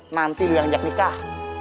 nanti lo yang ajak nikah